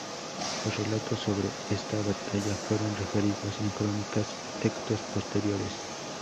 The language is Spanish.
Los relatos sobre esta batalla fueron referidos en crónicas y textos posteriores.